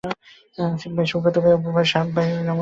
আসিফ ভাই, সুব্রত ভাই, অপু ভাই, সাহাব ভাই, নাবিল, তন্ময় ভাই।